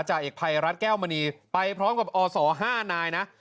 เอกภัยรัฐแก้วมณีไปพร้อมกับอศ๕นายนะ